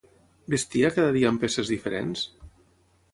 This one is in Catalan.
Vestia cada dia amb peces diferents?